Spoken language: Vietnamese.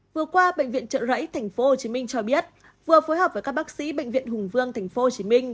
vừa qua bệnh viện trợ rẫy tp hcm cho biết vừa phối hợp với các bác sĩ bệnh viện hùng vương tp hcm